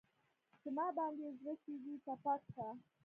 چې ما باندې يې زړه سيزي تپاک کا